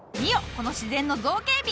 この自然の造形美！